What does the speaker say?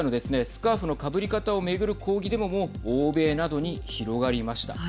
スカーフのかぶり方を巡る抗議デモも欧米などに広がりました。